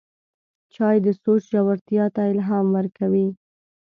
چای د سوچ ژورتیا ته الهام ورکوي